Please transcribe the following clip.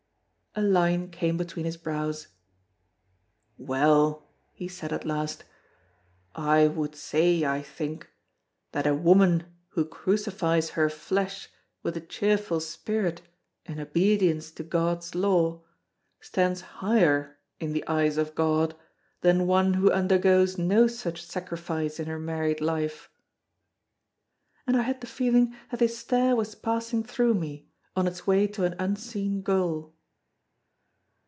A line came between his brows. "Well!" he said at last, "I would say, I think, that a woman who crucifies her flesh with a cheerful spirit in obedience to God's law, stands higher in the eyes of God than one who undergoes no such sacrifice in her married life." And I had the feeling that his stare was passing through me, on its way to an unseen goal.